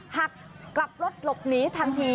หักกลับรถหลบหนีทันที